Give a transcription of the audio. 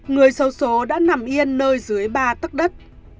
người sâu số đã nằm yên nơi dưới ba tất đất